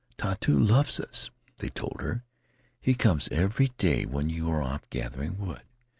'Tautu loves us,' they told her; 'he comes every day when you are off gathering wood.'